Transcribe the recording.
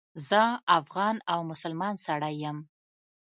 زه افغان او مسلمان سړی یم.